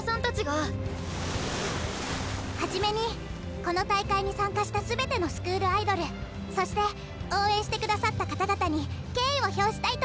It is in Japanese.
初めにこの大会に参加した全てのスクールアイドルそして応援して下さった方々に敬意を表したいと思います。